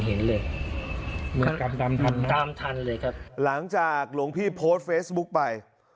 หลังจากหลวงพี่โพสต์เฟสบุ๊คไป